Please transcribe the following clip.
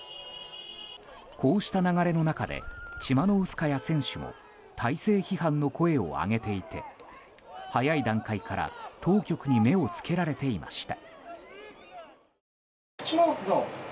こうした流れの中でチマノウスカヤ選手も体制批判の声を上げていて早い段階から当局に目をつけられていました。